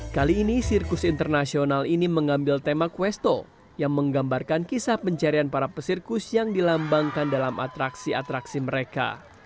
kali ini sirkus internasional ini mengambil tema kuesto yang menggambarkan kisah pencarian para pesirkus yang dilambangkan dalam atraksi atraksi mereka